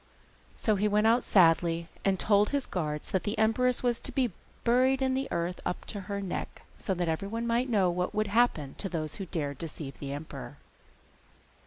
So he went out sadly and told his guards that the empress was to be buried in the earth up to her neck, so that everyone might know what would happen to those who dared to deceive the emperor.